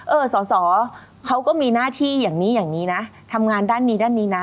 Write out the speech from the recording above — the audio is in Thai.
สอสอเขาก็มีหน้าที่อย่างนี้อย่างนี้นะทำงานด้านนี้ด้านนี้นะ